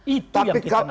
itu yang kita gak tahu